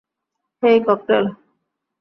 হেই, cocktail.